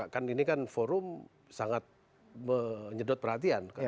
kan ini kan forum sangat menyedot perhatian